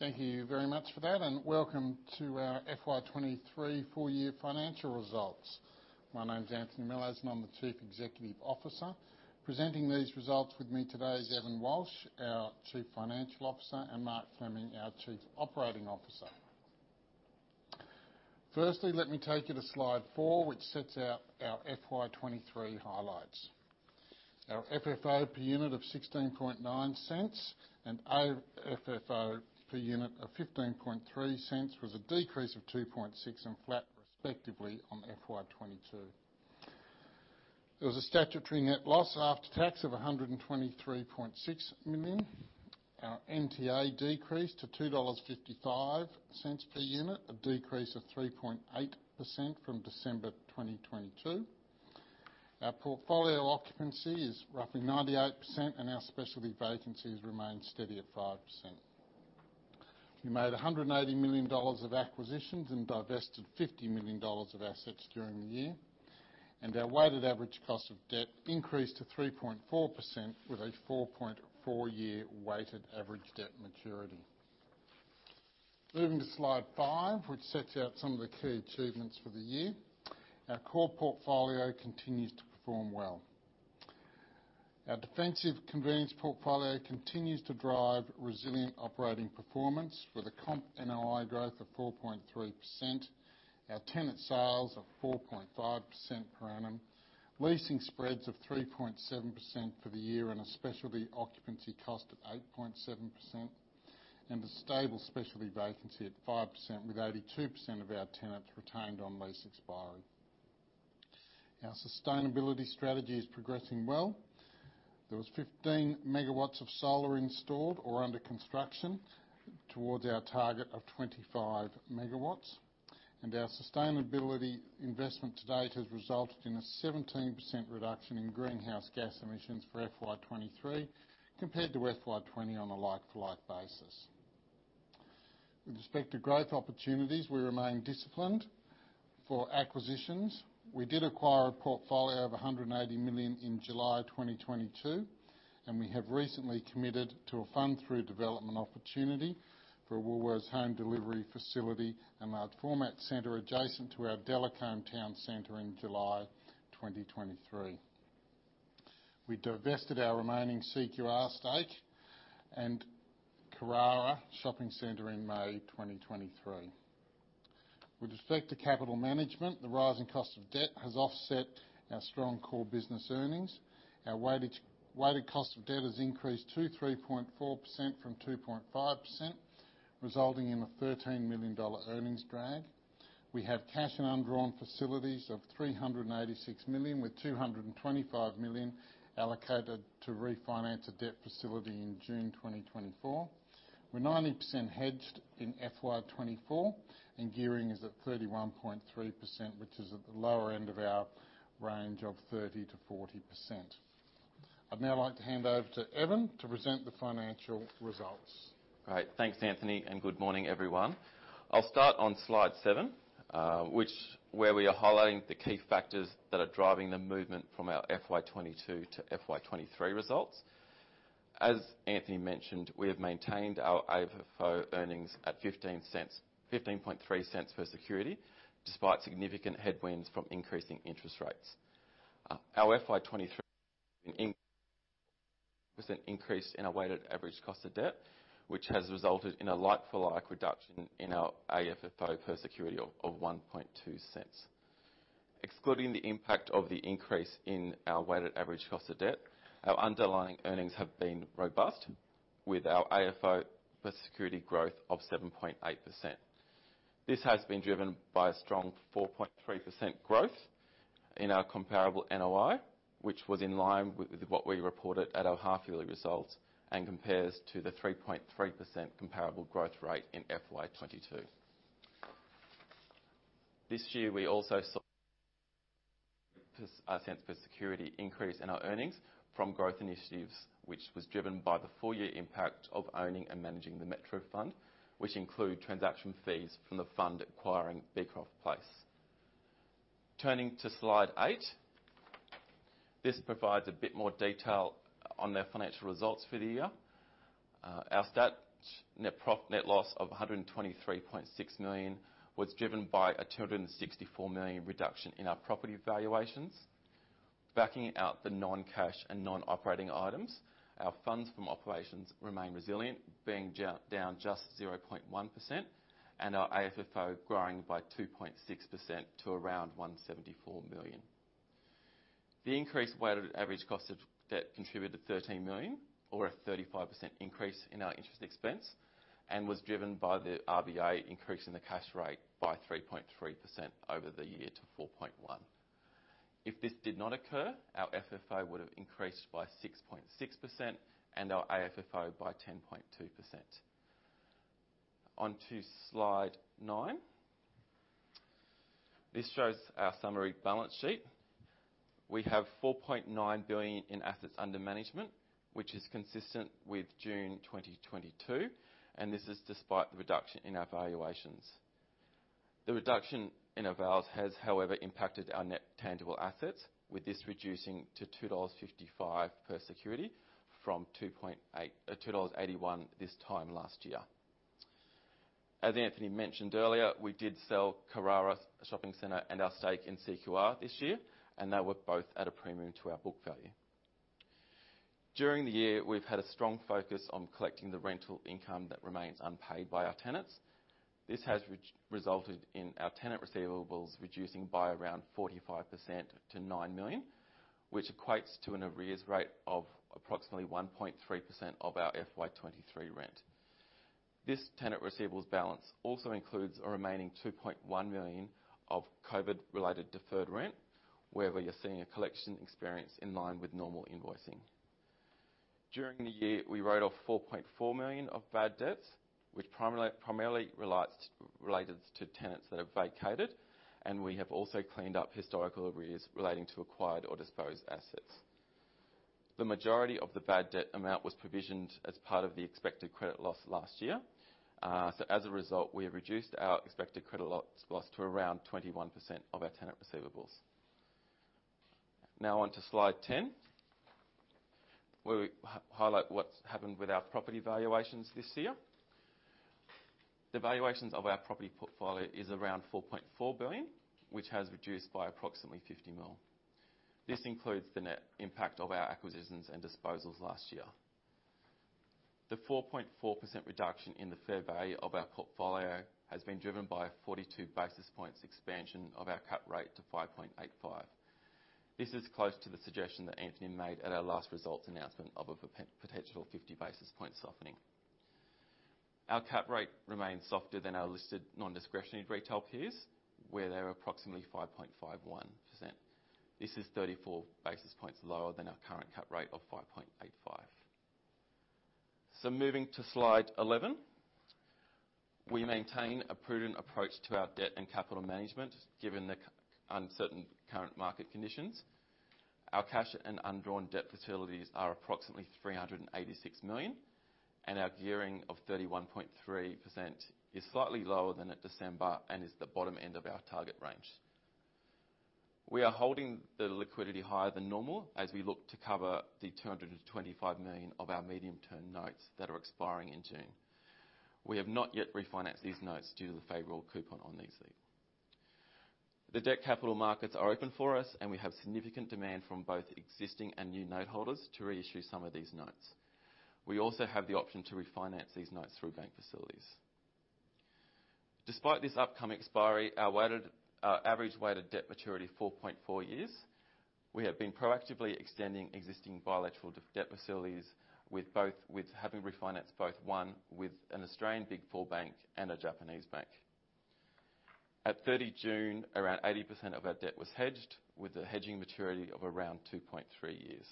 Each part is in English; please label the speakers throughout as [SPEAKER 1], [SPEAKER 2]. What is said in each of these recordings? [SPEAKER 1] Thank you very much for that. Welcome to our FY 2023 Full Year Financial Results. My name's Anthony Mellowes, and I'm the Chief Executive Officer. Presenting these results with me today is Evan Walsh, our Chief Financial Officer, and Mark Fleming, our Chief Operating Officer. Firstly, let me take you to slide four, which sets out our FY 2023 highlights. Our FFO per unit of 0.169 and AFFO per unit of 0.153 was a decrease of 2.6% and flat, respectively, on FY 2022. There was a statutory net loss after tax of 123.6 million. Our NTA decreased to 2.55 dollars per unit, a decrease of 3.8% from December 2022. Our portfolio occupancy is roughly 98%, and our specialty vacancies remain steady at 5%. We made 180 million dollars of acquisitions and divested 50 million dollars of assets during the year. Our weighted average cost of debt increased to 3.4% with a 4.4 year weighted average debt maturity. Moving to slide five, which sets out some of the key achievements for the year. Our core portfolio continues to perform well. Our defensive convenience portfolio continues to drive resilient operating performance with a comp NOI growth of 4.3%, our tenant sales of 4.5% per annum, leasing spreads of 3.7% for the year, a specialty occupancy cost of 8.7%, a stable specialty vacancy at 5%, with 82% of our tenants retained on lease expiry. Our sustainability strategy is progressing well. There was 15MW of solar installed or under construction towards our target of 25MW, and our sustainability investment to date has resulted in a 17% reduction in greenhouse gas emissions for FY 2023, compared to FY 2020 on a like-for-like basis. With respect to growth opportunities, we remain disciplined. For acquisitions, we did acquire a portfolio of 180 million in July 2022, and we have recently committed to a fund-through development opportunity for Woolworths' home delivery facility and large format center adjacent to our Delacombe Town Centre in July 2023. We divested our remaining CQR stake and Carrara Shopping Centre in May 2023. With respect to capital management, the rising cost of debt has offset our strong core business earnings. Our weighted cost of debt has increased to 3.4% from 2.5%, resulting in an 13 million dollar earnings drag. We have cash and undrawn facilities of 386 with 225 million allocated to refinance a debt facility in June 2024. We're 90% hedged in FY24, and gearing is at 31.3%, which is at the lower end of our range of 30%-40%. I'd now like to hand over to Evan to present the financial results.
[SPEAKER 2] All right. Thanks, Anthony, and good morning, everyone. I'll start on slide seven, where we are highlighting the key factors that are driving the movement from our FY 2022 to FY 2023 results. As Anthony mentioned, we have maintained our AFFO earnings at 0.153 per security, despite significant headwinds from increasing interest rates. Our FY 2023 percent increase in our weighted average cost of debt, which has resulted in a like-for-like reduction in our AFFO per security of 0.012. Excluding the impact of the increase in our weighted average cost of debt, our underlying earnings have been robust, with our AFFO per security growth of 7.8%. This has been driven by a strong 4.3% growth in our Comparable NOI, which was in line with, with what we reported at our half-yearly results, and compares to the 3.3% comparable growth rate in FY 2022. This year, we also saw our cents per security increase in our earnings from growth initiatives, which was driven by the full year impact of owning and managing the Metro Fund, which include transaction fees from the fund acquiring Beecroft Place. Turning to slide eight, this provides a bit more detail on our financial results for the year. Our stat net loss of 123.6 million was driven by a 264 million reduction in our property valuations. Backing out the non-cash and non-operating items, our Funds From Operations remain resilient, being down just 0.1%, and our AFFO growing by 2.6% to around 174 million. The increased weighted average cost of debt contributed 13 million, or a 35% increase in our interest expense, and was driven by the RBA increasing the cash rate by 3.3% over the year to 4.1%. If this did not occur, our FFO would have increased by 6.6% and our AFFO by 10.2%. On to slide nine. This shows our summary balance sheet. We have 4.9 billion in assets under management, which is consistent with June 2022, and this is despite the reduction in our valuations. The reduction in our vals has, however, impacted our net tangible assets, with this reducing to 2.55 dollars per security from 2.81 this time last year. As Anthony mentioned earlier, we did sell Carrara Shopping Centre and our stake in CQR this year, and they were both at a premium to our book value. During the year, we've had a strong focus on collecting the rental income that remains unpaid by our tenants. This has resulted in our tenant receivables reducing by around 45% to 9 million, which equates to an arrears rate of approximately 1.3% of our FY 2023 rent. This tenant receivables balance also includes a remaining 2.1 million of COVID-19 deferred rent, wherever you're seeing a collection experience in line with normal invoicing. During the year, we wrote off 4.4 million of bad debts, which primarily relates, related to tenants that have vacated, and we have also cleaned up historical arrears relating to acquired or disposed assets. The majority of the bad debt amount was provisioned as part of the Expected Credit Loss last year. As a result, we have reduced our Expected Credit Loss to around 21% of our tenant receivables. Now, on to Slide 10, where we highlight what's happened with our property valuations this year. The valuations of our property portfolio is around 4.4 billion, which has reduced by approximately 50 million. This includes the net impact of our acquisitions and disposals last year. The 4.4% reduction in the fair value of our portfolio has been driven by a 42 basis points expansion of our Cap rate to 5.85. This is close to the suggestion that Anthony made at our last results announcement of a potential 50 basis point softening. Our Cap rate remains softer than our listed non-discretionary retail peers, where they're approximately 5.51%. This is 34 basis points lower than our current Cap rate of 5.85. Moving to Slide 11. We maintain a prudent approach to our debt and capital management, given the uncertain current market conditions. Our cash and undrawn debt facilities are approximately 386 million, and our gearing of 31.3% is slightly lower than at December and is the bottom end of our target range. We are holding the liquidity higher than normal as we look to cover the 225 million of our Medium-Term Notes that are expiring in June. We have not yet refinanced these notes due to the favorable coupon on these. The debt capital markets are open for us, and we have significant demand from both existing and new noteholders to reissue some of these notes. We also have the option to refinance these notes through bank facilities. Despite this upcoming expiry, our weighted, our average weighted debt maturity, 4.4 years, we have been proactively extending existing bilateral debt facilities, with having refinanced both, one with an Australian Big Four bank and a Japanese bank. At 30 June, around 80% of our debt was hedged, with a hedging maturity of around 2.3 years.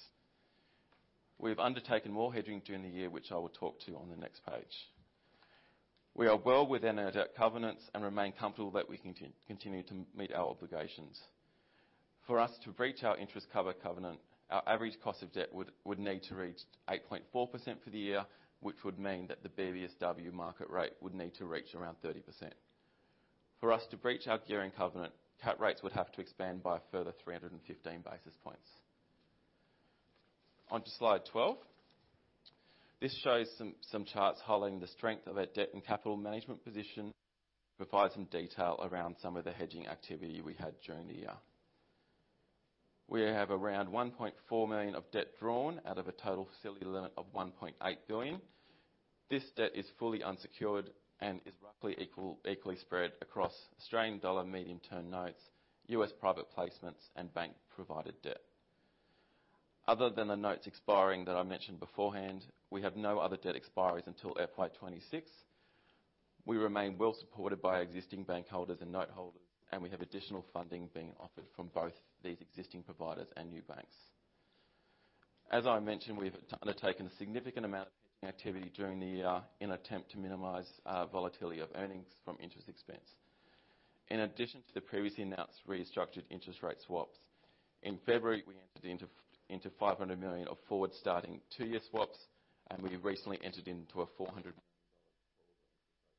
[SPEAKER 2] We've undertaken more hedging during the year, which I will talk to on the next page. We are well within our debt covenants and remain comfortable that we continue to meet our obligations. For us to breach our interest cover covenant, our average cost of debt would need to reach 8.4% for the year, which would mean that the BBSW market rate would need to reach around 30%. For us to breach our gearing covenant, cap rates would have to expand by a further 315 basis points. Onto Slide 12. This shows some charts highlighting the strength of our debt and capital management position, provide some detail around some of the hedging activity we had during the year. We have around 1.4 million of debt drawn out of a total facility limit of 1.8 billion. This debt is fully unsecured and is roughly equal, equally spread across Australian dollar medium-term notes, U.S. private placements, and bank-provided debt. Other than the notes expiring that I mentioned beforehand, we have no other debt expiries until FY 2026. We remain well supported by existing bank holders and noteholders. We have additional funding being offered from both these existing providers and new banks. As I mentioned, we've undertaken a significant amount of hedging activity during the year in an attempt to minimize volatility of earnings from interest expense. In addition to the previously announced restructured interest rate swaps, in February, we entered into 500 million of forward-starting two-year swaps, and we recently entered into a 400 million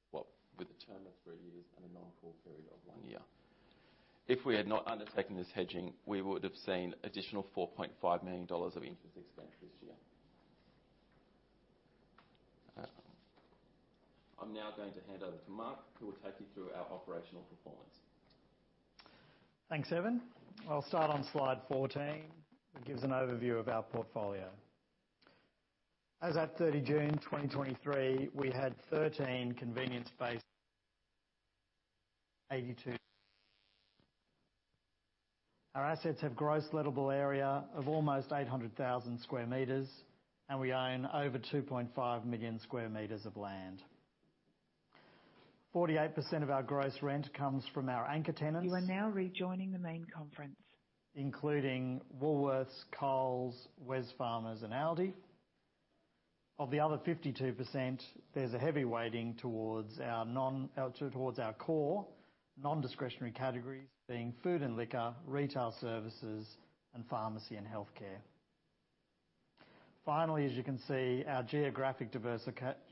[SPEAKER 2] swap with a term of three years and a non-call period of one year. If we had not undertaken this hedging, we would have seen additional 4.5 million dollars of interest expense this year. I'm now going to hand over to Mark, who will take you through our operational performance.
[SPEAKER 3] Thanks, Evan. I'll start on slide 14. It gives an overview of our portfolio. As at 30 June 2023, we had 13 convenience space, 82. Our assets have Gross Lettable Area of almost 800,000 square meters. We own over 2.5 million square meters of land. 48% of our gross rent comes from our anchor tenants-
[SPEAKER 4] You are now rejoining the main conference.
[SPEAKER 3] Including Woolworths, Coles, Wesfarmers, and Aldi. Of the other 52%, there's a heavy weighting towards our non-discretionary categories being food and liquor, retail services, and pharmacy and healthcare. Finally, as you can see, our geographic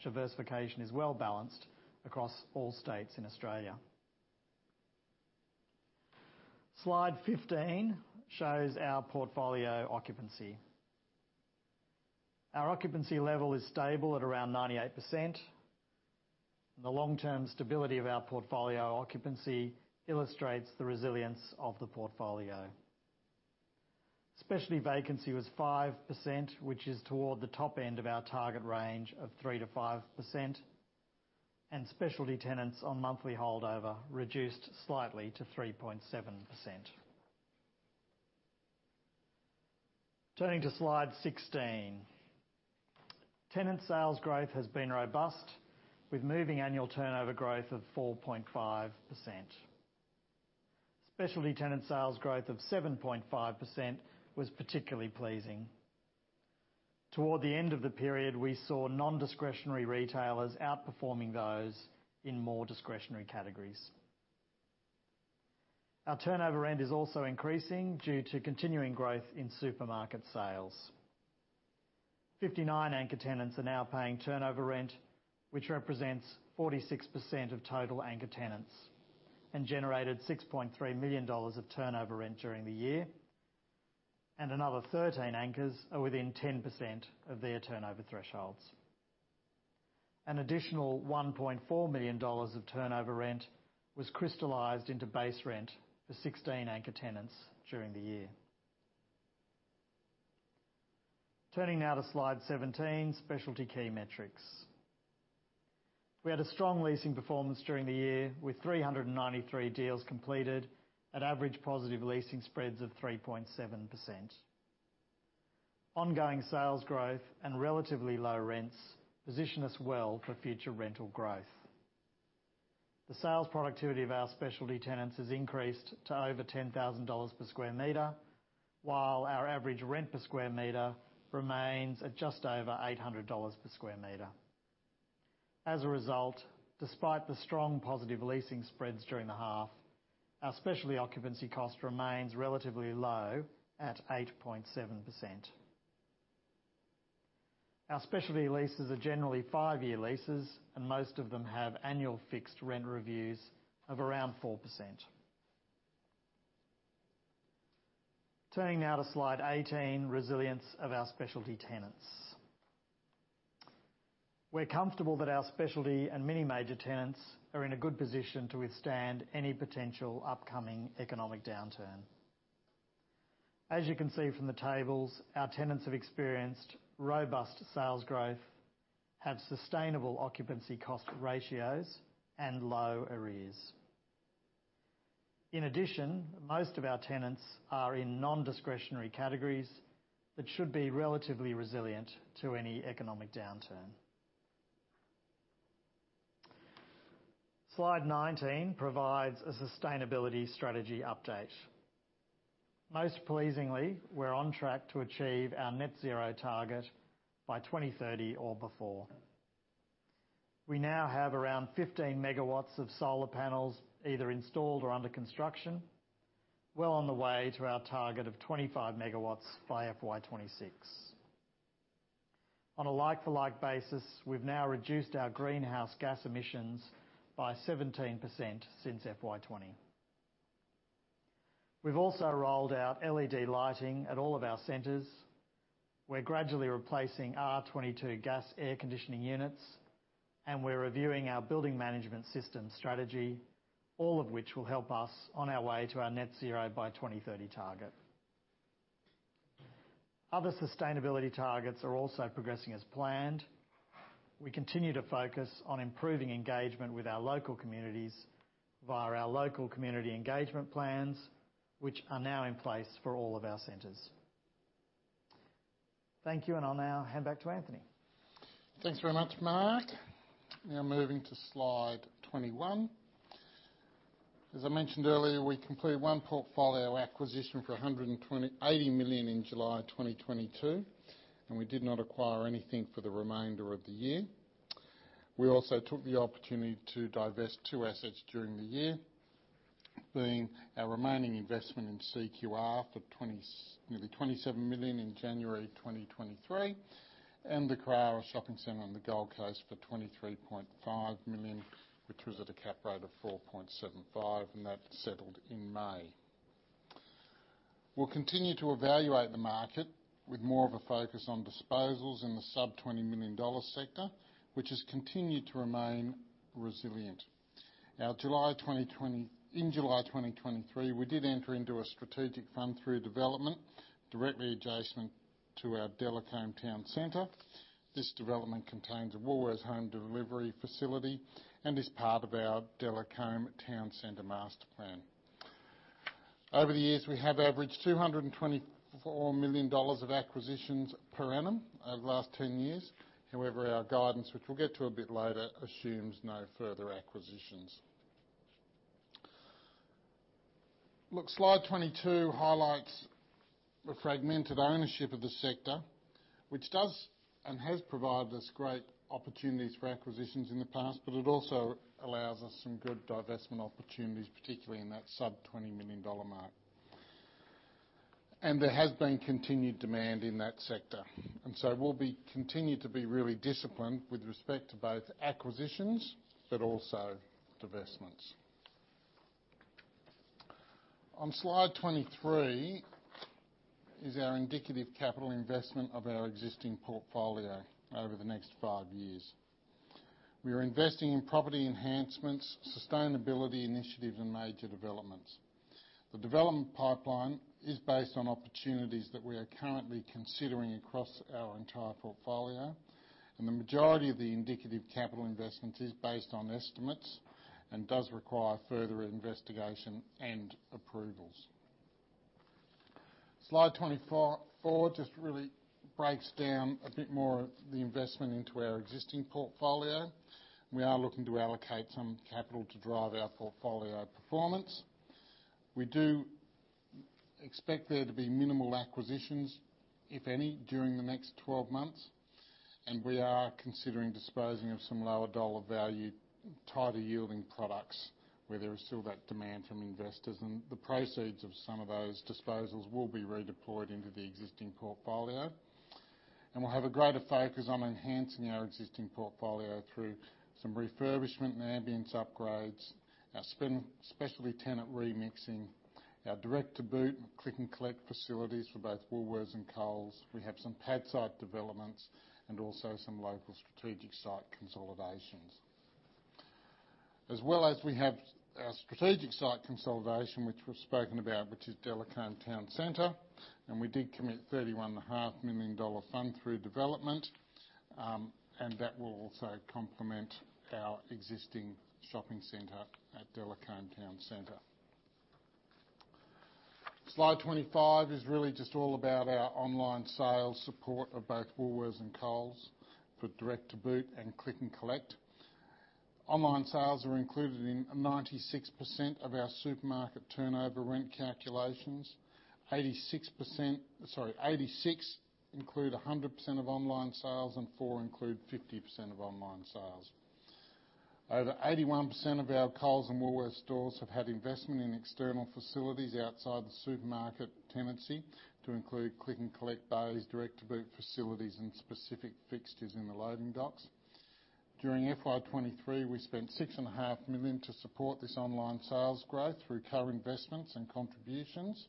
[SPEAKER 3] diversification is well-balanced across all states in Australia. Slide 15 shows our portfolio occupancy. Our occupancy level is stable at around 98%. The long-term stability of our portfolio occupancy illustrates the resilience of the portfolio. Specialty vacancy was 5%, which is toward the top end of our target range of 3%-5%. Specialty tenants on monthly holdover reduced slightly to 3.7%. Turning to slide 16. Tenant sales growth has been robust, with Moving Annual Turnover growth of 4.5%. Specialty tenant sales growth of 7.5% was particularly pleasing. Toward the end of the period, we saw non-discretionary retailers outperforming those in more discretionary categories. Our turnover rent is also increasing due to continuing growth in supermarket sales. 59 anchor tenants are now paying turnover rent, which represents 46% of total anchor tenants, generated $6.3 million of turnover rent during the year, and another 13 anchors are within 10% of their turnover thresholds. An additional $1.4 million of turnover rent was crystallized into base rent for 16 anchor tenants during the year. Turning now to Slide 17: Specialty Key Metrics. We had a strong leasing performance during the year, with 393 deals completed at average positive leasing spreads of 3.7%. Ongoing sales growth and relatively low rents position us well for future rental growth. The sales productivity of our specialty tenants has increased to over 10,000 dollars per square meter, while our average rent per square meter remains at just over 800 dollars per square meter. As a result, despite the strong positive leasing spreads during the half, our specialty occupancy cost remains relatively low at 8.7%. Our specialty leases are generally five-year leases, and most of them have annual fixed rent reviews of around 4%. Turning now to Slide 18: Resilience of Our Specialty Tenants. We're comfortable that our specialty and mini major tenants are in a good position to withstand any potential upcoming economic downturn. As you can see from the tables, our tenants have experienced robust sales growth, have sustainable occupancy cost ratios, and low arrears. In addition, most of our tenants are in non-discretionary categories that should be relatively resilient to any economic downturn. Slide 19 provides a sustainability strategy update. Most pleasingly, we're on track to achieve our net zero target by 2030 or before. We now have around 15MW of solar panels either installed or under construction, well on the way to our target of 25MW by FY 2026. On a like-for-like basis, we've now reduced our greenhouse gas emissions by 17% since FY 2020. We've also rolled out LED lighting at all of our centers. We're gradually replacing R22 gas air conditioning units, and we're reviewing our building management system strategy, all of which will help us on our way to our net zero by 2030 target. Other sustainability targets are also progressing as planned. We continue to focus on improving engagement with our local communities via our local community engagement plans, which are now in place for all of our centers. Thank you, I'll now hand back to Anthony.
[SPEAKER 1] Thanks very much, Mark. Moving to Slide 21. As I mentioned earlier, we completed one portfolio acquisition for 180 million in July 2022, and we did not acquire anything for the remainder of the year. We also took the opportunity to divest two assets during the year, being our remaining investment in CQR for nearly 27 million in January 2023, and the Carrara Shopping Centre on the Gold Coast for 23.5 million, which was at a cap rate of 4.75, and that settled in May. We'll continue to evaluate the market with more of a focus on disposals in the sub 20 million dollar sector, which has continued to remain resilient. In July 2023, we did enter into a strategic fund-through development directly adjacent to our Delacombe Town Centre. This development contains a Woolworths home delivery facility and is part of our Delacombe Town Centre master plan. Over the years, we have averaged 224 million dollars of acquisitions per annum over the last 10 years. However, our guidance, which we'll get to a bit later, assumes no further acquisitions. Look, Slide 22 highlights the fragmented ownership of the sector, which has provided us great opportunities for acquisitions in the past, but it also allows us some good divestment opportunities, particularly in that sub 20 million dollar mark. There has been continued demand in that sector, so we'll be, continue to be really disciplined with respect to both acquisitions but also divestments. On Slide 23, is our indicative capital investment of our existing portfolio over the next five years. We are investing in property enhancements, sustainability initiatives, and major developments. The development pipeline is based on opportunities that we are currently considering across our entire portfolio. The majority of the indicative capital investment is based on estimates and does require further investigation and approvals. Slide 24 just really breaks down a bit more of the investment into our existing portfolio. We are looking to allocate some capital to drive our portfolio performance. We do expect there to be minimal acquisitions, if any, during the next 12 months. We are considering disposing of some lower dollar value, tighter yielding products, where there is still that demand from investors. The proceeds of some of those disposals will be redeployed into the existing portfolio. We'll have a greater focus on enhancing our existing portfolio through some refurbishment and ambience upgrades, our specialty tenant remixing, our direct-to-boot and click-and-collect facilities for both Woolworths and Coles. We have some pad site developments and also some local strategic site consolidations. As well as we have our strategic site consolidation, which we've spoken about, which is Delacombe Town Centre, and we did commit AUD 31.5 million fund-through development, and that will also complement our existing shopping center at Delacombe Town Centre. Slide 25 is really just all about our online sales support of both Woolworths and Coles for direct-to-boot and click-and-collect. Online sales are included in 96% of our supermarket turnover rent calculations. 86%... Sorry, 86 include 100% of online sales, and 4 include 50% of online sales. Over 81% of our Coles and Woolworths stores have had investment in external facilities outside the supermarket tenancy to include click-and-collect bays, direct-to-boot facilities, and specific fixtures in the loading docks. During FY 2023, we spent 6.5 million to support this online sales growth through current investments and contributions.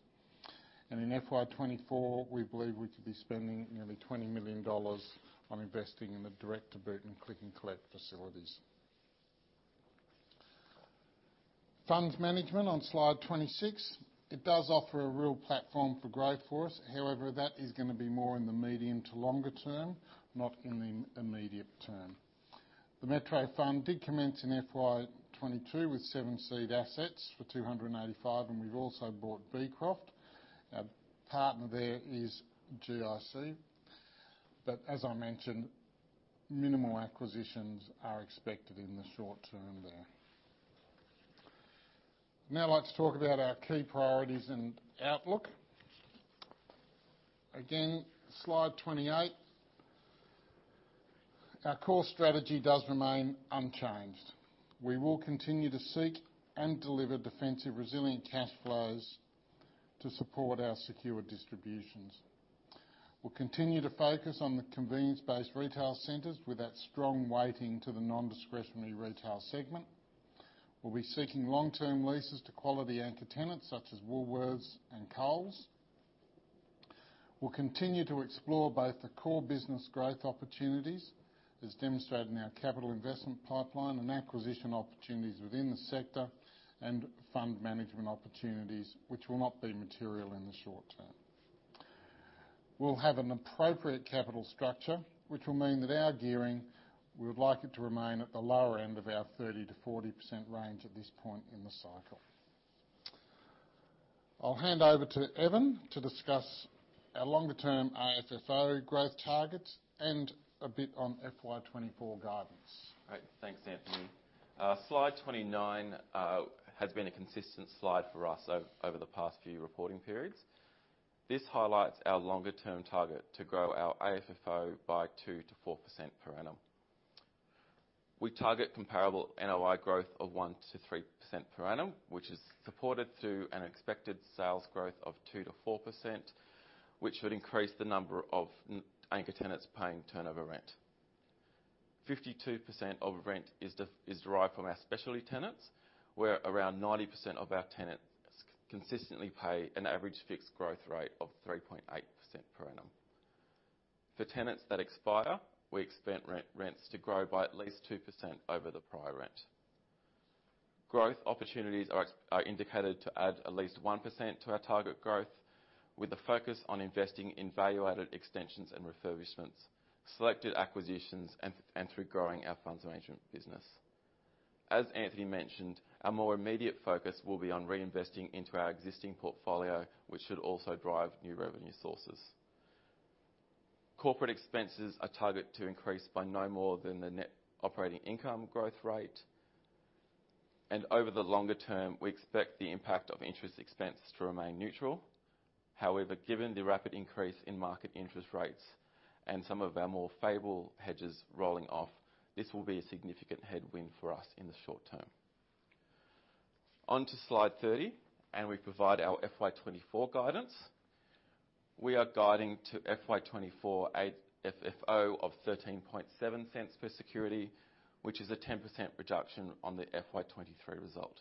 [SPEAKER 1] In FY 2024, we believe we could be spending 20 million dollars on investing in the direct-to-boot and click-and-collect facilities. Funds management on slide 26. It does offer a real platform for growth for us. That is gonna be more in the medium to longer term, not in the immediate term. The Metro Fund did commence in FY 2022 with seven seed assets for 285 million. We've also bought Beecroft. Our partner there is GIC. As I mentioned, minimal acquisitions are expected in the short term there. Now, I'd like to talk about our key priorities and outlook. Again, slide 28. Our core strategy does remain unchanged. We will continue to seek and deliver defensive, resilient cash flows to support our secure distributions. We'll continue to focus on the convenience-based retail centers, with that strong weighting to the non-discretionary retail segment. We'll be seeking long-term leases to quality anchor tenants, such as Woolworths and Coles. We'll continue to explore both the core business growth opportunities, as demonstrated in our capital investment pipeline, and acquisition opportunities within the sector, and fund management opportunities, which will not be material in the short term. We'll have an appropriate capital structure, which will mean that our gearing, we would like it to remain at the lower end of our 30%-40% range at this point in the cycle. I'll hand over to Evan to discuss our longer term AFFO growth targets and a bit on FY 2024 guidance.
[SPEAKER 2] Great. Thanks, Anthony. Slide 29 has been a consistent slide for us over the past few reporting periods. This highlights our longer-term target to grow our AFFO by 2%-4% per annum. We target comparable NOI growth of 1%-3% per annum, which is supported through an expected sales growth of 2%-4%, which would increase the number of anchor tenants paying turnover rent. 52% of rent is derived from our specialty tenants, where around 90% of our tenants consistently pay an average fixed growth rate of 3.8% per annum. For tenants that expire, we expect rents to grow by at least 2% over the prior rent. Growth opportunities are indicated to add at least 1% to our target growth, with a focus on investing in value-added extensions and refurbishments, selected acquisitions, and through growing our funds management business. As Anthony mentioned, our more immediate focus will be on reinvesting into our existing portfolio, which should also drive new revenue sources. Corporate expenses are targeted to increase by no more than the net operating income growth rate. Over the longer term, we expect the impact of interest expense to remain neutral. However, given the rapid increase in market interest rates and some of our more favorable hedges rolling off, this will be a significant headwind for us in the short term. On to Slide 30, we provide our FY 2024 guidance. We are guiding to FY 2024 AFFO of 0.137 per security, which is a 10% reduction on the FY 2023 result.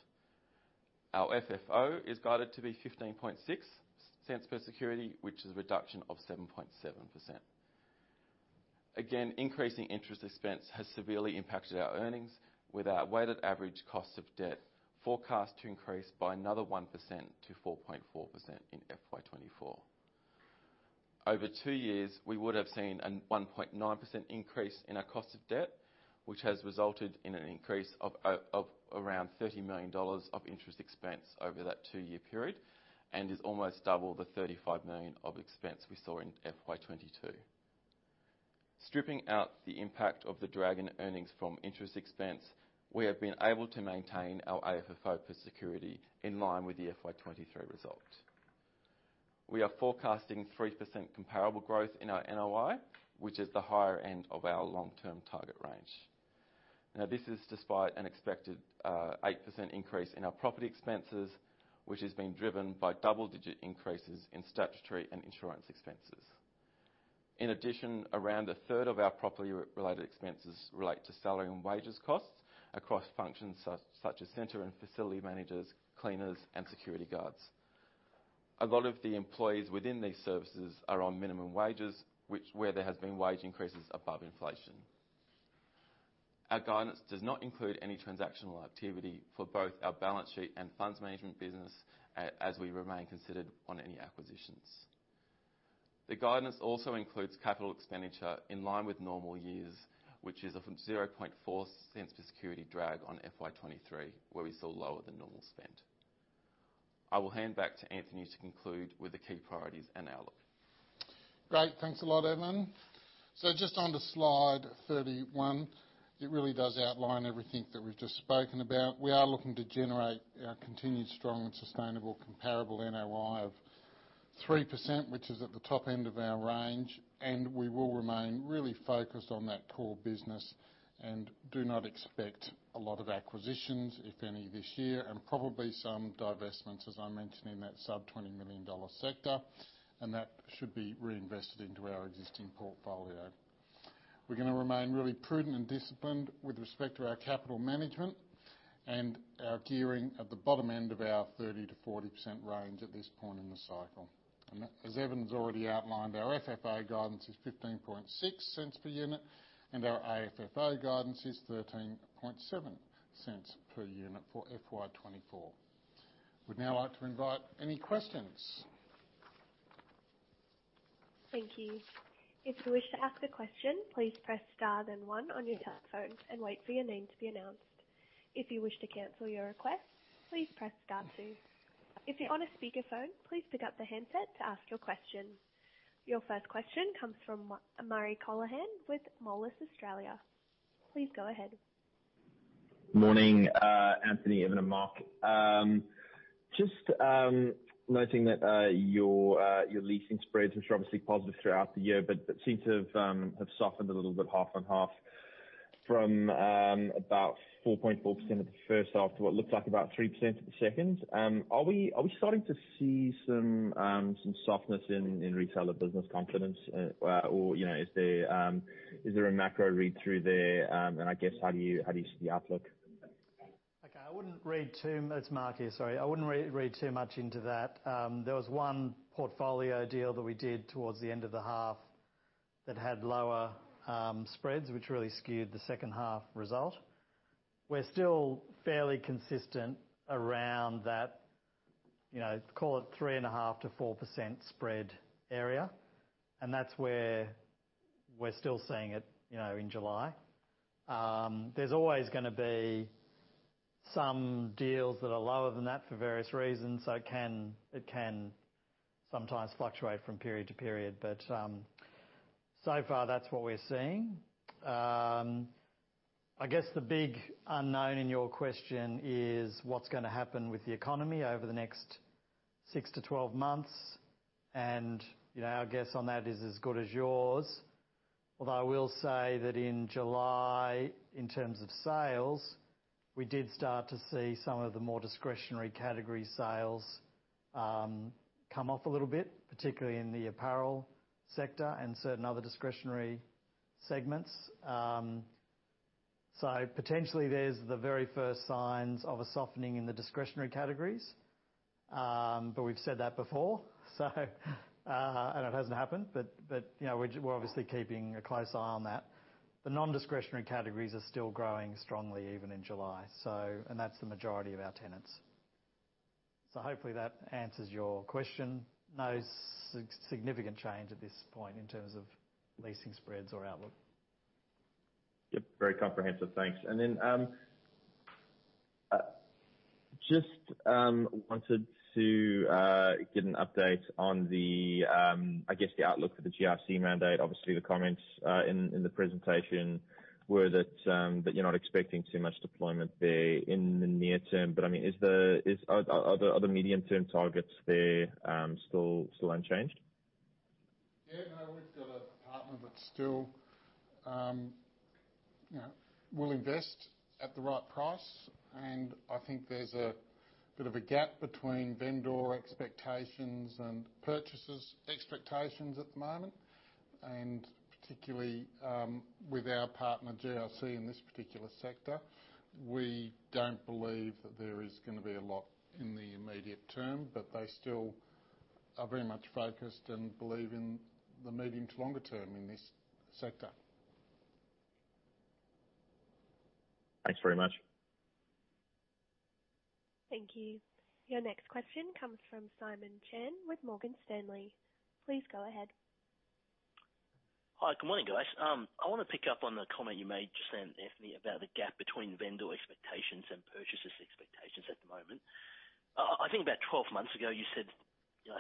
[SPEAKER 2] Our FFO is guided to be 0.156 per security, which is a reduction of 7.7%. Again, increasing interest expense has severely impacted our earnings, with our weighted average cost of debt forecast to increase by another 1% to 4.4% in FY 2024. Over two years, we would have seen an 1.9% increase in our cost of debt, which has resulted in an increase of around 30 million dollars of interest expense over that two-year period and is almost double the 35 million of expense we saw in FY 2022. Stripping out the impact of the drag in earnings from interest expense, we have been able to maintain our AFFO per security in line with the FY 2023 result. We are forecasting 3% comparable growth in our NOI, which is the higher end of our long-term target range. This is despite an expected 8% increase in our property expenses, which is being driven by double-digit increases in statutory and insurance expenses. In addition, around a third of our property related expenses relate to salary and wages costs across functions such as center and facility managers, cleaners, and security guards. A lot of the employees within these services are on minimum wages, which where there has been wage increases above inflation. Our guidance does not include any transactional activity for both our balance sheet and funds management business, as we remain considered on any acquisitions. The guidance also includes capital expenditure in line with normal years, which is an 0.004 per security drag on FY 2023, where we saw lower than normal spend. I will hand back to Anthony to conclude with the key priorities and outlook.
[SPEAKER 1] Great. Thanks a lot, Evan. Just on to slide 31, it really does outline everything that we've just spoken about. We are looking to generate our continued strong and sustainable comparable NOI of 3%, which is at the top end of our range, and we will remain really focused on that core business and do not expect a lot of acquisitions, if any, this year, and probably some divestments, as I mentioned, in that sub 20 million dollar sector, and that should be reinvested into our existing portfolio. We're gonna remain really prudent and disciplined with respect to our capital management and our gearing at the bottom end of our 30%-40% range at this point in the cycle. As Evan's already outlined, our FFO guidance is 0.156 per unit, and our AFFO guidance is 0.137 per unit for FY 2024. We'd now like to invite any questions.
[SPEAKER 4] Thank you. If you wish to ask a question, please press star then one on your telephone and wait for your name to be announced. If you wish to cancel your request, please press star two. If you're on a speakerphone, please pick up the handset to ask your question. Your first question comes from Murray Connellan with Moelis Australia. Please go ahead.
[SPEAKER 5] Morning, Anthony, Evan, and Mark. Just noting that your leasing spreads, which are obviously positive throughout the year, but seem to have softened a little bit half on half from about 4.4% at the first half to what looks like about 3% at the second. Are we, are we starting to see some softness in retailer business confidence? Or, you know, is there a macro read through there? I guess how do you, how do you see the outlook?
[SPEAKER 3] Okay. I wouldn't read too- It's Mark here, sorry. I wouldn't re-read too much into that. There was one portfolio deal that we did towards the end of the half that had lower spreads, which really skewed the second half result. We're still fairly consistent around that, you know, call it 3.5%-4% spread area, and that's where we're still seeing it, you know, in July. There's always gonna be some deals that are lower than that for various reasons. It can, it can sometimes fluctuate from period to period, but so far, that's what we're seeing. I guess the big unknown in your question is what's gonna happen with the economy over the next six-12 months, and, you know, our guess on that is as good as yours. Although I will say that in July, in terms of sales, we did start to see some of the more discretionary category sales, come off a little bit, particularly in the apparel sector and certain other discretionary segments. Potentially there's the very first signs of a softening in the discretionary categories. We've said that before, so, and it hasn't happened, but, you know, we're obviously keeping a close eye on that. The non-discretionary categories are still growing strongly, even in July. That's the majority of our tenants. Hopefully, that answers your question. No significant change at this point in terms of leasing spreads or outlook.
[SPEAKER 5] Yep, very comprehensive. Thanks. Wanted to get an update on the, I guess, the outlook for the GIC mandate. Obviously, the comments, in, in the presentation were that, that you're not expecting too much deployment there in the near term. I mean, is the, is-- Are, are, are the medium-term targets there, still, still unchanged?
[SPEAKER 1] Yeah, no, we've got a partner that still, you know, will invest at the right price. I think there's a bit of a gap between vendor expectations and purchasers' expectations at the moment, and particularly with our partner, GIC, in this particular sector. We don't believe that there is gonna be a lot in the immediate term. They still are very much focused and believe in the medium to longer term in this sector.
[SPEAKER 5] Thanks very much.
[SPEAKER 4] Thank you. Your next question comes from Simon Chan with Morgan Stanley. Please go ahead.
[SPEAKER 6] Hi, good morning, guys. I wanna pick up on the comment you made just then, Anthony, about the gap between vendor expectations and purchasers' expectations at the moment. I think about 12 months ago, you said,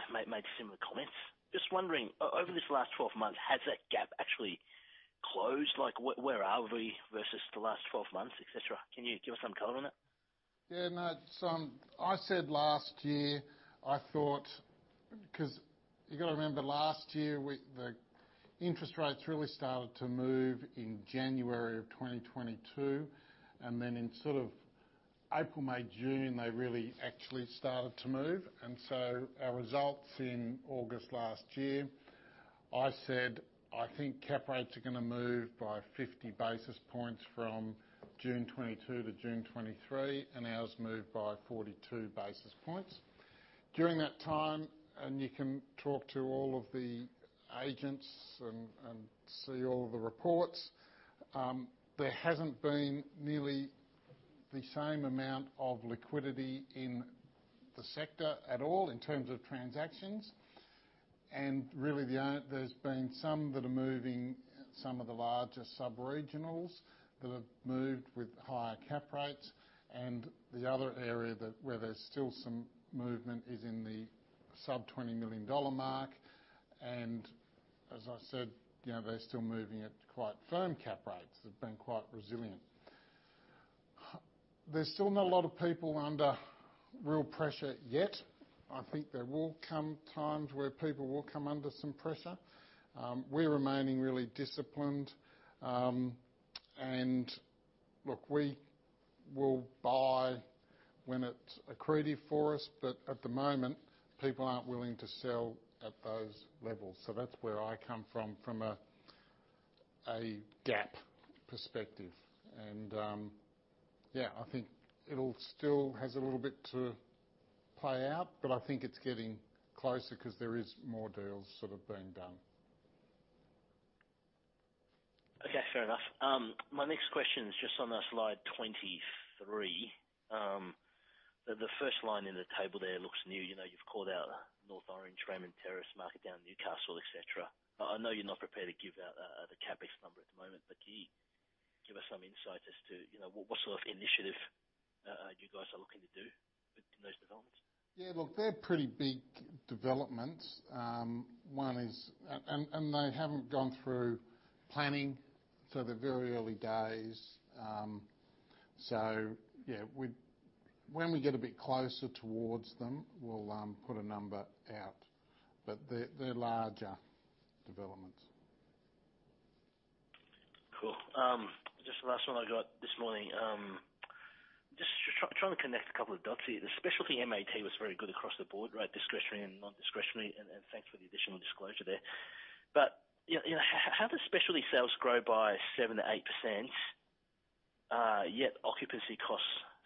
[SPEAKER 6] made similar comments. Just wondering, over this last 12 months, has that gap actually closed? Like, where, where are we versus the last 12 months, et cetera? Can you give us some color on it?
[SPEAKER 1] Yeah, no, it's. I said last year, I thought, 'cause you've got to remember, last year, the interest rates really started to move in January of 2022, and then in sort of April, May, June, they really actually started to move. Our results in August last year, I said, "I think cap rates are gonna move by 50 basis points from June 2022 to June 2023," and ours moved by 42 basis points. During that time, you can talk to all of the agents and see all the reports, there hasn't been nearly the same amount of liquidity in the sector at all in terms of transactions, and really, there's been some that are moving, some of the larger sub-regionals that have moved with higher cap rates. The other area that, where there's still some movement is in the sub-AUD 20 million mark. As I said, you know, they're still moving at quite firm cap rates. They've been quite resilient. There's still not a lot of people under real pressure yet. I think there will come times where people will come under some pressure. We're remaining really disciplined. Look, we will buy when it's accretive for us, but at the moment, people aren't willing to sell at those levels. That's where I come from, from a, a gap perspective. Yeah, I think it'll still has a little bit to play out, but I think it's getting closer, 'cause there is more deals sort of being done.
[SPEAKER 6] Okay, fair enough. My next question is just on the slide 23. The, the first line in the table there looks new. You know, you've called out North Orange, Raymond Terrace, Marketown Newcastle, et cetera. I, I know you're not prepared to give out the CapEx number at the moment, but can you give us some insight as to, you know, what sort of initiative you guys are looking to do with, in those developments?
[SPEAKER 1] Yeah, look, they're pretty big developments. One is... They haven't gone through planning, so they're very early days. Yeah, when we get a bit closer towards them, we'll put a number out, but they're, they're larger developments.
[SPEAKER 6] Cool. Just the last one I got this morning. Just trying to connect a couple of dots here. The specialty Mat was very good across the board, right? Discretionary and non-discretionary, and, and thanks for the additional disclosure there. But, you know, how does specialty sales grow by 7%-8%, yet occupancy costs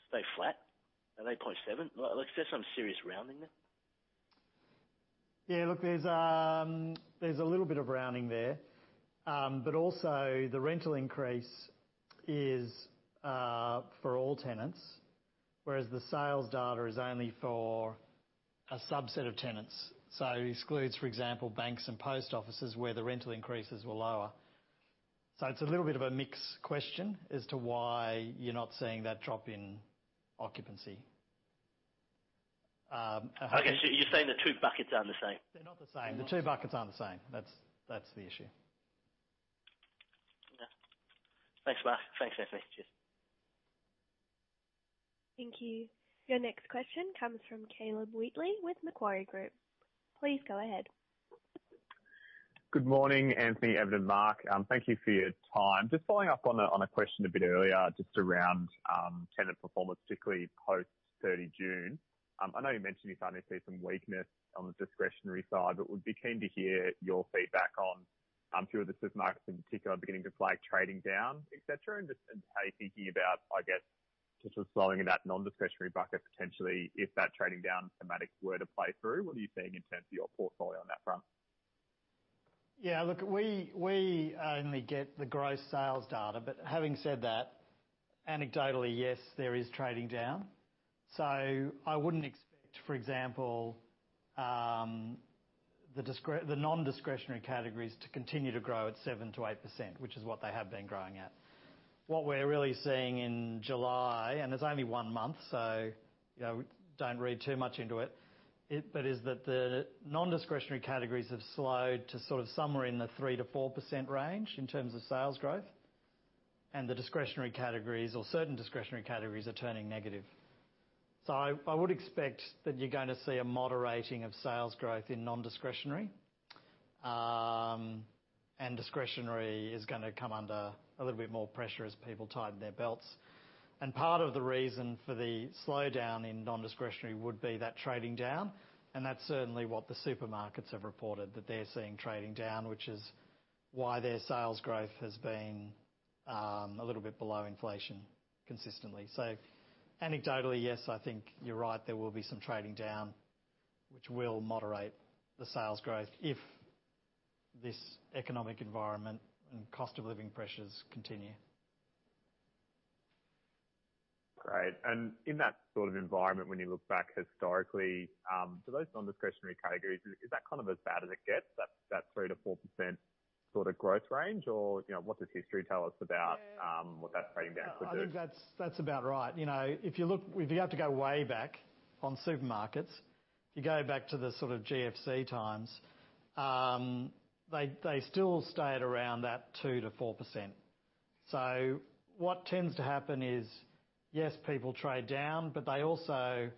[SPEAKER 6] stay flat at 8.7%? Well, look, there's some serious rounding there.
[SPEAKER 3] Yeah, look, there's, there's a little bit of rounding there. Also, the rental increase is for all tenants, whereas the sales data is only for a subset of tenants. It excludes, for example, banks and post offices, where the rental increases were lower. It's a little bit of a mixed question as to why you're not seeing that drop in occupancy.
[SPEAKER 6] Okay, you're saying the two buckets aren't the same?
[SPEAKER 3] They're not the same. The two buckets aren't the same. That's, that's the issue.
[SPEAKER 6] Yeah. Thanks, Mark. Thanks, Anthony. Cheers.
[SPEAKER 4] Thank you. Your next question comes from Caleb Wheatley with Macquarie Group. Please go ahead.
[SPEAKER 7] Good morning, Anthony, Evan, and Mark. Thank you for your time. Just following up on a, on a question a bit earlier, just around tenant performance, particularly post-30 June. I know you mentioned you're starting to see some weakness on the discretionary side, but would be keen to hear your feedback on, I'm sure the supermarkets in particular are beginning to flag trading down, et cetera, and just how you're thinking about, I guess, just the slowing in that non-discretionary bucket, potentially, if that trading down thematic were to play through, what are you seeing in terms of your portfolio on that front?
[SPEAKER 3] Yeah, look, we, we only get the gross sales data. Having said that, anecdotally, yes, there is trading down. I wouldn't expect, for example, the non-discretionary categories to continue to grow at 7%-8%, which is what they have been growing at. What we're really seeing in July, and it's only one month, so, you know, don't read too much into it, but is that the non-discretionary categories have slowed to sort of somewhere in the 3%-4% range in terms of sales growth, and the discretionary categories or certain discretionary categories are turning negative. I, I would expect that you're going to see a moderating of sales growth in non-discretionary, and discretionary is gonna come under a little bit more pressure as people tighten their belts. Part of the reason for the slowdown in non-discretionary would be that trading down, and that's certainly what the supermarkets have reported, that they're seeing trading down, which is why their sales growth has been a little bit below inflation consistently. Anecdotally, yes, I think you're right, there will be some trading down, which will moderate the sales growth if this economic environment and cost of living pressures continue.
[SPEAKER 7] Great. In that sort of environment, when you look back historically, for those non-discretionary categories, is, is that kind of as bad as it gets, that, that 3%-4% sort of growth range? Or, you know, what does history tell us about, what that trading down could do?
[SPEAKER 3] I think that's, that's about right. You know, if you look- if you have to go way back on supermarkets, if you go back to the sort of GFC times, they, they still stayed around that 2%-4%. What tends to happen is, yes, people trade down, but they also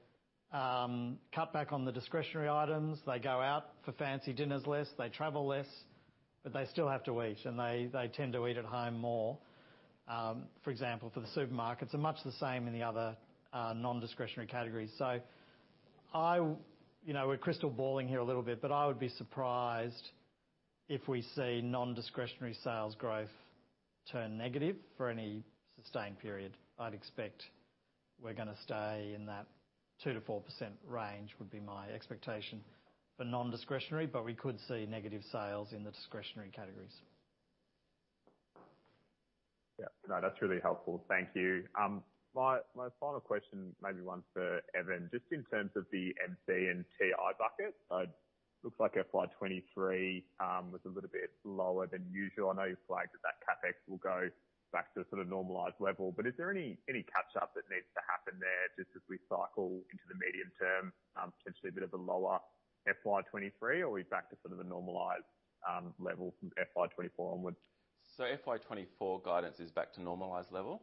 [SPEAKER 3] cut back on the discretionary items. They go out for fancy dinners less, they travel less, but they still have to eat, and they, they tend to eat at home more, for example, for the supermarkets, and much the same in the other non-discretionary categories. You know, we're crystal balling here a little bit, but I would be surprised if we see non-discretionary sales growth turn negative for any sustained period. I'd expect we're gonna stay in that 2%-4% range, would be my expectation for non-discretionary, but we could see negative sales in the discretionary categories.
[SPEAKER 7] Yeah. No, that's really helpful. Thank you. My, my final question, maybe one for Evan. Just in terms of the MC and TI bucket, looks like FY 2023 was a little bit lower than usual. I know you flagged that, that CapEx will go back to a sort of normalized level, but is there any, any catch-up that needs to happen there just as we cycle into the medium term, potentially a bit of a lower FY 2023, or are we back to sort of a normalized level from FY 2024 onwards?
[SPEAKER 2] FY 2024 guidance is back to normalized level.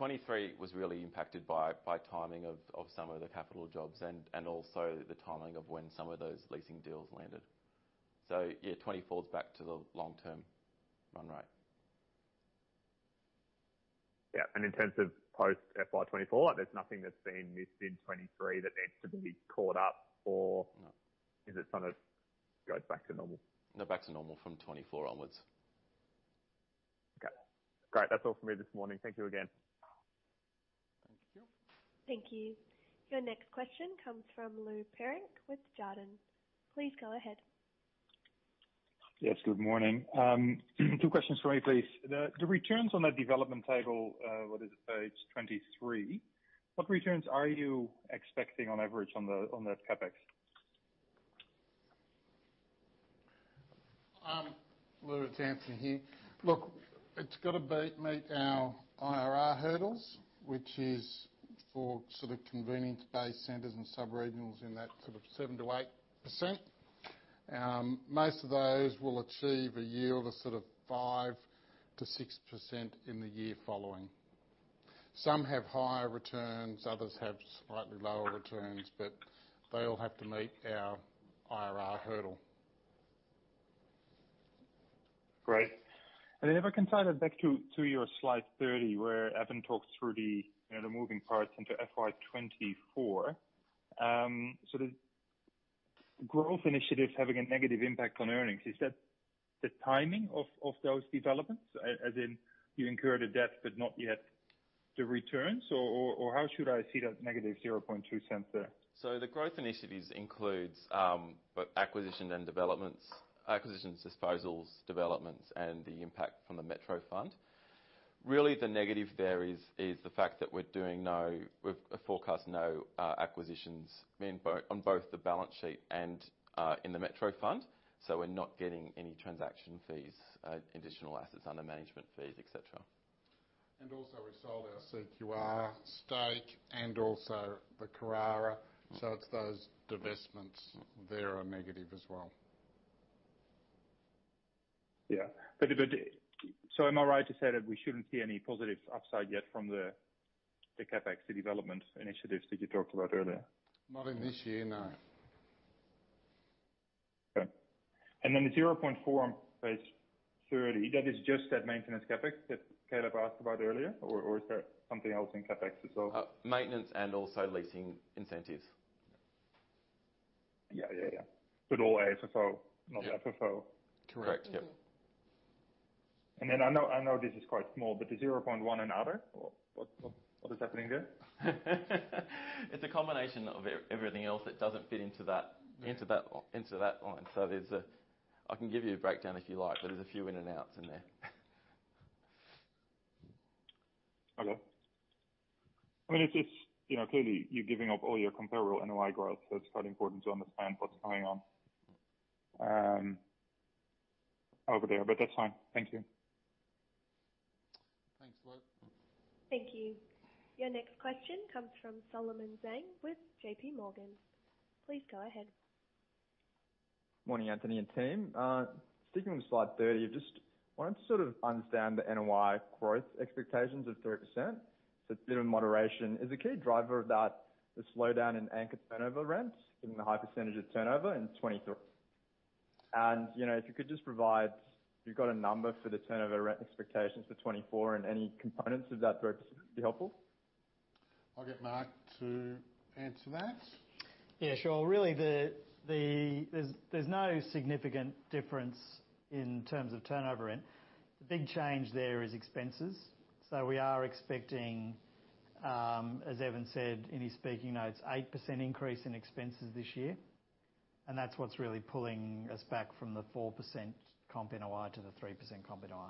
[SPEAKER 2] 2023 was really impacted by, by timing of, of some of the capital jobs and, and also the timing of when some of those leasing deals landed. Yeah, 2024's back to the long-term run rate.
[SPEAKER 7] Yeah. In terms of post FY 2024, there's nothing that's been missed in 2023 that needs to be caught up or-
[SPEAKER 2] No.
[SPEAKER 7] Is it sort of goes back to normal?
[SPEAKER 2] No, back to normal from 2024 onwards.
[SPEAKER 7] Okay, great. That's all for me this morning. Thank you again.
[SPEAKER 3] Thank you.
[SPEAKER 4] Thank you. Your next question comes from Lou Pirenc with Jarden. Please go ahead.
[SPEAKER 8] Yes, good morning. two questions for me, please. The, the returns on that development table, what is it? Page 23. What returns are you expecting on average on the- on that CapEx?
[SPEAKER 1] Lou, it's Anthony here. Look, it's gotta meet our IRR hurdles, which is for sort of convenience-based centers and sub-regionals in that sort of 7%-8%. Most of those will achieve a yield of sort of 5%-6% in the year following. Some have higher returns, others have slightly lower returns, but they all have to meet our IRR hurdle.
[SPEAKER 8] Great. If I can tie that back to, to your slide 30, where Evan talked through the, you know, the moving parts into FY 2024. The growth initiatives having a negative impact on earnings, is that the timing of, of those developments, as in you've incurred a debt but not yet the returns? How should I see that negative 0.2 cents there?
[SPEAKER 2] The growth initiatives includes, both acquisition and developments, acquisitions, disposals, developments, and the impact from the Metro Fund. Really, the negative there is the fact that we're doing no, we've forecast no, acquisitions in both, on both the balance sheet and, in the Metro Fund, so we're not getting any transaction fees, additional assets under management fees, et cetera.
[SPEAKER 1] Also, we sold our CQR stake and also the Carrara, so it's those divestments there are negative as well.
[SPEAKER 8] Yeah. Am I right to say that we shouldn't see any positive upside yet from the, the CapEx, the development initiatives that you talked about earlier?
[SPEAKER 1] Not in this year, no.
[SPEAKER 8] Okay. Then the 0.4 on page 30, that is just that maintenance CapEx that Caleb asked about earlier, or is there something else in CapEx as well?
[SPEAKER 2] maintenance and also leasing incentives.
[SPEAKER 8] Yeah, yeah, yeah. All AFFO, not FFO?
[SPEAKER 2] Correct, yep.
[SPEAKER 1] Correct.
[SPEAKER 8] Then I know, I know this is quite small, but the 0.1 and other, what, what, what is happening there?
[SPEAKER 2] It's a combination of everything else that doesn't fit into that, into that, into that line. There's I can give you a breakdown if you like, but there's a few in and outs in there.
[SPEAKER 8] Okay. I mean, it's, you know, clearly you're giving up all your comparable NOI growth, so it's quite important to understand what's going on over there, but that's fine. Thank you.
[SPEAKER 1] Thanks, Lou.
[SPEAKER 4] Thank you. Your next question comes from Solomon Zhang with JP Morgan. Please go ahead.
[SPEAKER 9] Morning, Anthony and team. Sticking with slide 30, just wanted to sort of understand the NOI growth expectations of 3%. A bit of moderation. Is the key driver of that, the slowdown in anchor turnover rents, given the high percentage of turnover in 2023? You know, if you could just provide, if you've got a number for the turnover rent expectations for 2024 and any components of that 3% would be helpful.
[SPEAKER 1] I'll get Mark to answer that.
[SPEAKER 3] Yeah, sure. Really, there's, there's no significant difference in terms of turnover rent. The big change there is expenses. We are expecting, as Evan said in his speaking notes, 8% increase in expenses this year, and that's what's really pulling us back from the 4% Comp NOI to the 3% Comp NOI.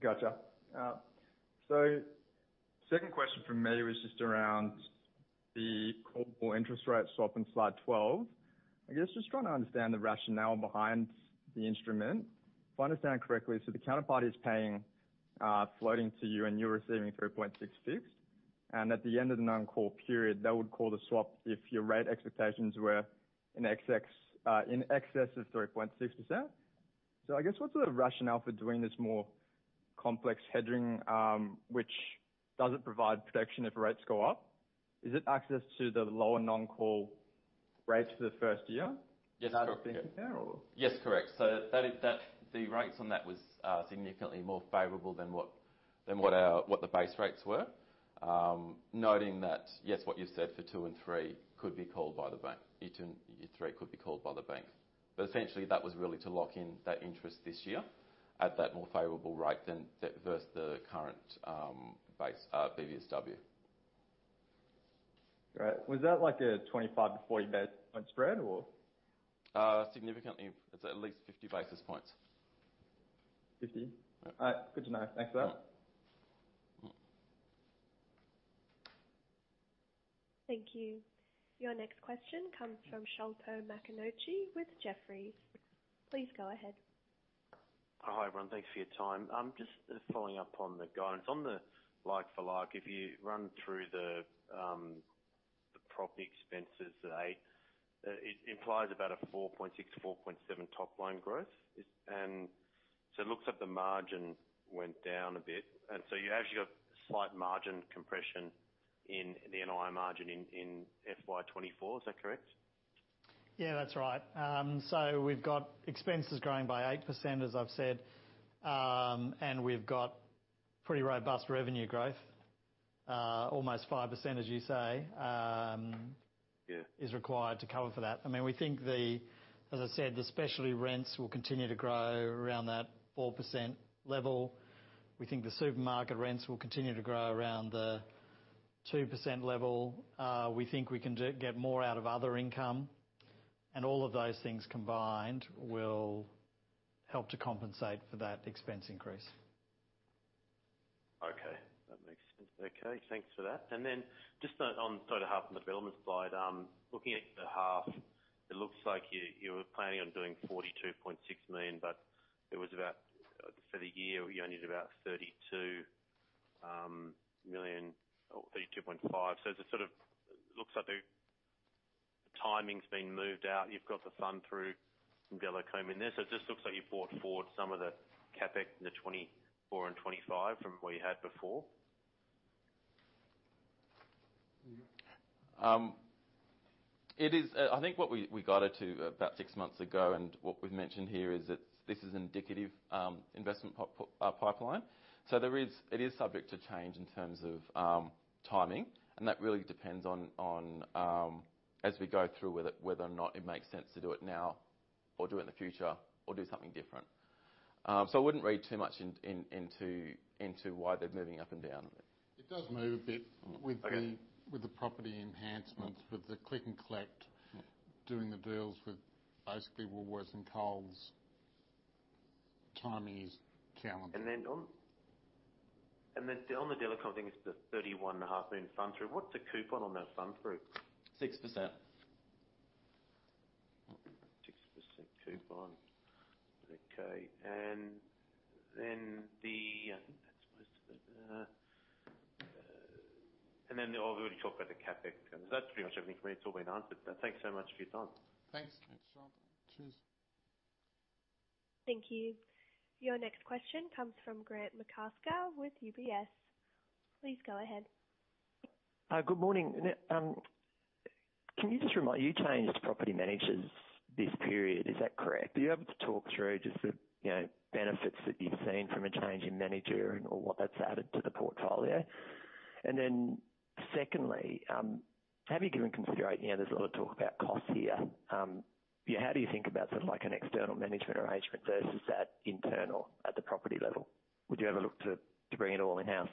[SPEAKER 9] Gotcha. Second question from me was just around the callable interest rate swap in Slide 12. I guess just trying to understand the rationale behind the instrument. If I understand correctly, the counterparty is paying, floating to you, and you're receiving 3.6% fixed, and at the end of the non-call period, that would call the swap if your rate expectations were in excess of 3.6%. I guess, what's the rationale for doing this more complex hedging, which doesn't provide protection if rates go up? Is it access to the lower non-call rates for the first year?
[SPEAKER 2] Yes, correct.
[SPEAKER 9] Or-
[SPEAKER 2] Yes, correct. That is, that the rates on that was significantly more favorable than what, than what our, what the base rates were. Noting that, yes, what you said for two and three could be called by the bank. Each three could be called by the bank. Essentially, that was really to lock in that interest this year at that more favorable rate than versus the current base BBSW.
[SPEAKER 9] Great. Was that like a 25-40 basis point spread, or?
[SPEAKER 2] Significantly. It's at least 50 basis points.
[SPEAKER 9] Fifty?
[SPEAKER 2] Yeah.
[SPEAKER 9] good to know. Thanks for that.
[SPEAKER 2] Mm-hmm.
[SPEAKER 4] Thank you. Your next question comes from Sholto Maconochie with Jefferies. Please go ahead.
[SPEAKER 10] Hi, everyone. Thanks for your time. I'm just following up on the guidance. On the like-for-like, if you run through the property expenses, the eight, it implies about a 4.6, 4.7 top line growth. It looks like the margin went down a bit, and so you actually got slight margin compression in the NOI margin in FY 2024. Is that correct?
[SPEAKER 3] Yeah, that's right. We've got expenses growing by 8%, as I've said. We've got pretty robust revenue growth. Almost 5%, as you say.
[SPEAKER 10] Yeah...
[SPEAKER 3] is required to cover for that. I mean, we think the, as I said, the specialty rents will continue to grow around that 4% level. We think the supermarket rents will continue to grow around the 2% level. We think we can get more out of other income, and all of those things combined will help to compensate for that expense increase.
[SPEAKER 10] Okay. That makes sense. Okay, thanks for that. Just on sort of half the development slide, looking at the half, it looks like you, you were planning on doing 42.6 million, but it was about, for the year, you only did about 32 or 32.5 million. It sort of looks like the timing's been moved out. You've got the fund-through Delacombe in there, so it just looks like you brought forward some of the CapEx in 2024 and 2025 from what you had before.
[SPEAKER 1] Mm-hmm.
[SPEAKER 2] It is, I think what we, we guided to about six months ago, and what we've mentioned here is that this is indicative, investment pipeline. It is subject to change in terms of, timing, and that really depends on, on, as we go through with it, whether or not it makes sense to do it now or do it in the future or do something different. I wouldn't read too much into why they're moving up and down.
[SPEAKER 1] It does move a bit.
[SPEAKER 10] Okay...
[SPEAKER 1] with the, with the property enhancements, with the click-and-collect, doing the deals with basically Woolworths and Coles. Timing is calendar.
[SPEAKER 10] Then on, and then on the Delacombe, I think it's the 31.5 million fund through. What's the coupon on that fund through?
[SPEAKER 2] 6%.
[SPEAKER 10] 6% coupon. Okay, and then the, I think that's most of it. Then we already talked about the CapEx. That's pretty much everything for me. It's all been answered, but thanks so much for your time.
[SPEAKER 1] Thanks.
[SPEAKER 3] Thanks, Sholto.
[SPEAKER 1] Cheers.
[SPEAKER 4] Thank you. Your next question comes from Grant McCasker with UBS. Please go ahead.
[SPEAKER 11] Good morning. Can you just remind me, you changed property managers this period, is that correct? Are you able to talk through just the, you know, benefits that you've seen from a change in manager and/or what that's added to the portfolio? Secondly, have you given consideration, you know, there's a lot of talk about cost here. How do you think about sort of like an external management arrangement versus that internal at the property level? Would you ever look to, to bring it all in-house?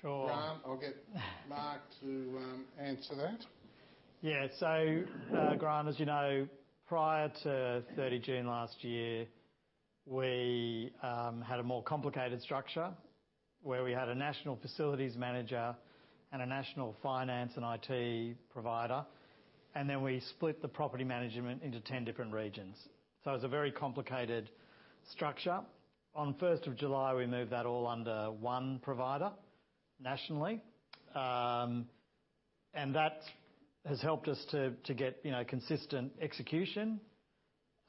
[SPEAKER 1] Sure, Grant, I'll get Mark to answer that.
[SPEAKER 3] Grant, as you know, prior to June 30 last year, we had a more complicated structure, where we had a national facilities manager and a national finance and IT provider, and then we split the property management into 10 different regions. It was a very complicated structure. On July 1, we moved that all under one provider nationally. That has helped us to get, you know, consistent execution,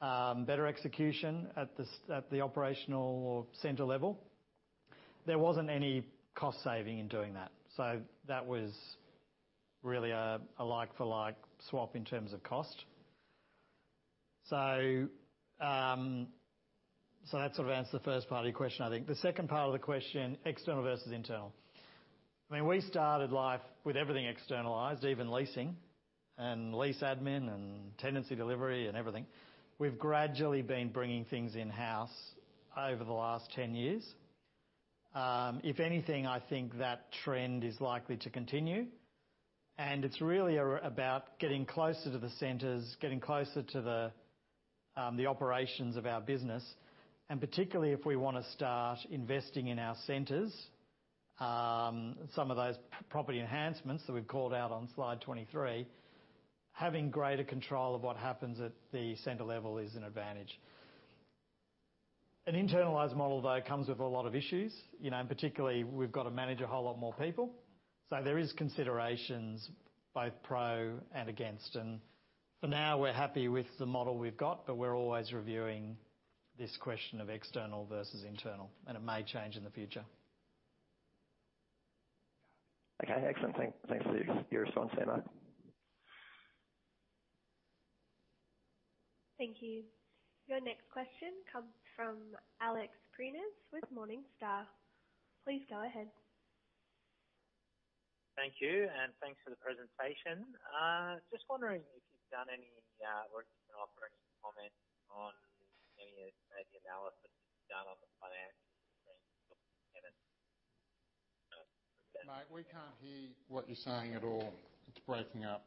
[SPEAKER 3] better execution at the operational center level. There wasn't any cost saving in doing that, so that was really a like-for-like swap in terms of cost. That sort of answers the first part of your question, I think. The second part of the question, external versus internal. I mean, we started life with everything externalized, even leasing and lease admin and tenancy delivery and everything. We've gradually been bringing things in-house over the last 10 years. If anything, I think that trend is likely to continue, it's really about getting closer to the centers, getting closer to the operations of our business, particularly if we want to start investing in our centers. Some of those property enhancements that we've called out on slide 23, having greater control of what happens at the center level is an advantage. An internalized model, though, comes with a lot of issues, you know, particularly, we've got to manage a whole lot more people. There is considerations, both pro and against, for now, we're happy with the model we've got. We're always reviewing this question of external versus internal, it may change in the future.
[SPEAKER 11] Okay, excellent. Thanks for your response there, Mark.
[SPEAKER 4] Thank you. Your next question comes from Alex Prineas with Morningstar. Please go ahead.
[SPEAKER 12] Thank you, and thanks for the presentation. Just wondering if you've done any work or operation comment on any analysis done on the financial statement?
[SPEAKER 1] Mate, we can't hear what you're saying at all. It's breaking up.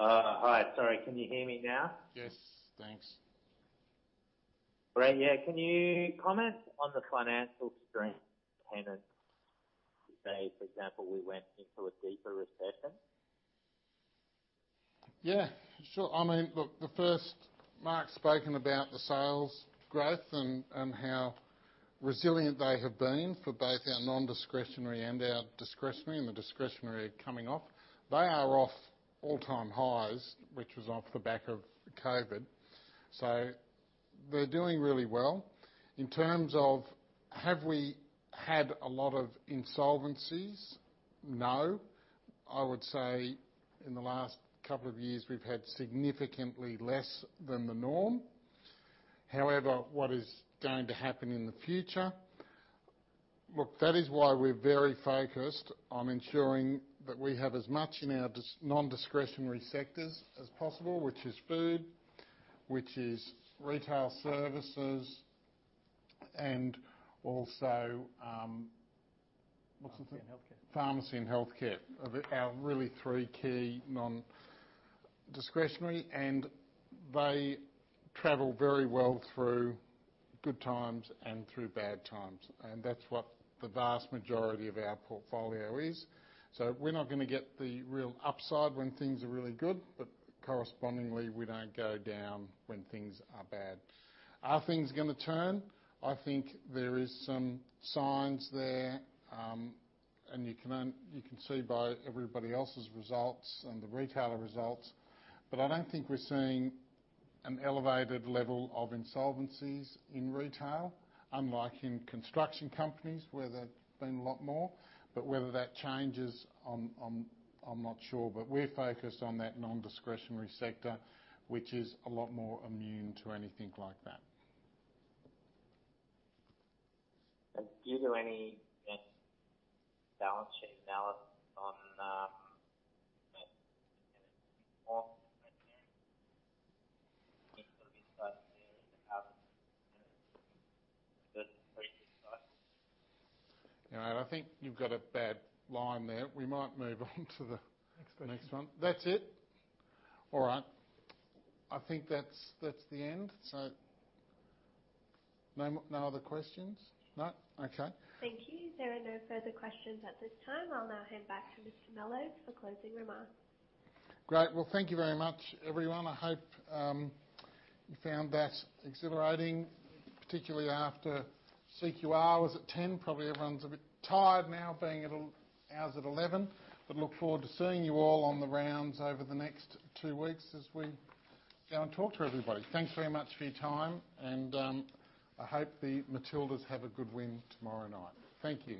[SPEAKER 12] Hi, sorry. Can you hear me now?
[SPEAKER 1] Yes, thanks.
[SPEAKER 12] Great. Yeah. Can you comment on the financial strength tenants, say, for example, we went into a deeper recession?
[SPEAKER 1] Yeah, sure. I mean, look, Mark's spoken about the sales growth and, and how resilient they have been for both our non-discretionary and our discretionary, and the discretionary coming off. They are off all-time highs, which was off the back of COVID. They're doing really well. In terms of, have we had a lot of insolvencies? No. I would say in the last couple of years, we've had significantly less than the norm. What is going to happen in the future? Look, that is why we're very focused on ensuring that we have as much in our non-discretionary sectors as possible, which is food, which is retail services, and also, what's the third?
[SPEAKER 3] Healthcare.
[SPEAKER 1] Pharmacy and healthcare are the, our really three key non-discretionary, and they travel very well through good times and through bad times, and that's what the vast majority of our portfolio is. We're not going to get the real upside when things are really good, but correspondingly, we don't go down when things are bad. Are things gonna turn? I think there is some signs there, and you can you can see by everybody else's results and the retailer results, but I don't think we're seeing an elevated level of insolvencies in retail, unlike in construction companies, where there've been a lot more. Whether that changes, I'm, I'm, I'm not sure, but we're focused on that non-discretionary sector, which is a lot more immune to anything like that.
[SPEAKER 12] Do you do any balance sheet analysis on,
[SPEAKER 1] All right. I think you've got a bad line there. We might move on to the -
[SPEAKER 3] Next question.
[SPEAKER 1] Next one. That's it? All right. I think that's, that's the end, so. No other questions? No. Okay.
[SPEAKER 4] Thank you. There are no further questions at this time. I'll now hand back to Mr. Mellowes for closing remarks.
[SPEAKER 1] Great. Well, thank you very much, everyone. I hope you found that exhilarating, particularly after CQR was at 10. Probably everyone's a bit tired now, being hours at 11. Look forward to seeing you all on the rounds over the next two weeks as we go and talk to everybody. Thanks very much for your time, and I hope The Matildas have a good win tomorrow night. Thank you.